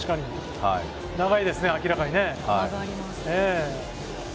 長いですね、明らかにね。